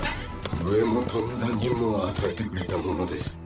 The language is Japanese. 上もとんだ任務を与えてくれたものです。